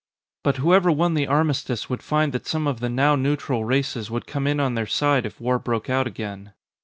But whoever won the armistice would find that some of the now neutral races would come in on their side if war broke out again.